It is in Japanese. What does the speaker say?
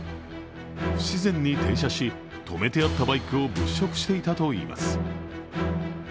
不自然に停車し、止めてあったバイクを物色していたといいます。